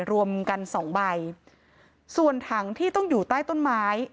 รวมกันสองใบส่วนถังที่ต้องอยู่ใต้ต้นไม้